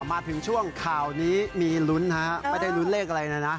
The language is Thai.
มาถึงช่วงข่าวนี้มีลุ้นฮะไม่ได้ลุ้นเลขอะไรเลยนะ